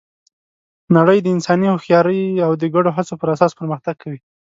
نړۍ د انساني هوښیارۍ او د ګډو هڅو پر اساس پرمختګ کوي.